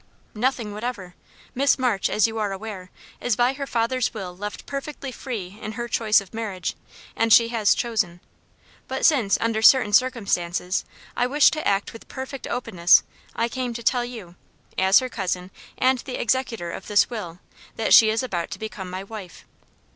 "Nothing whatever. Miss March, as you are aware, is by her father's will left perfectly free in her choice of marriage; and she has chosen. But since, under certain circumstances, I wish to act with perfect openness, I came to tell you, as her cousin and the executor of this will, that she is about to become my wife."